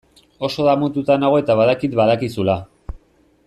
Oso damututa nago eta badakit badakizula.